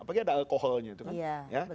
apalagi ada alkoholnya itu kan